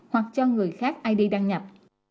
hoặc cho người khác id đăng nhập